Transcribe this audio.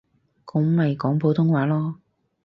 噉咪講普通話囉